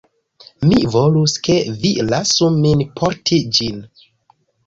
Mi volus, ke vi lasu min porti ĝin.